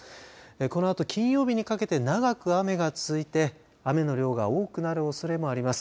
このあと金曜日にかけて長く雨が続いて雨の量が多くなるおそれもあります。